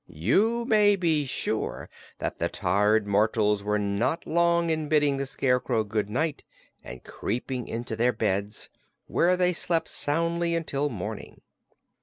You may be sure that the tired mortals were not long in bidding the Scarecrow good night and creeping into their beds, where they slept soundly until morning.